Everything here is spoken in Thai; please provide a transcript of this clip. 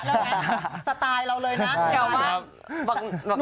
ในสไตล์เราเลยนะ